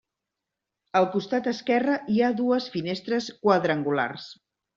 Al costat esquerre hi ha dues finestres quadrangulars.